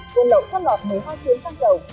quân lậu chất lọt một mươi hai chiếc xăng dầu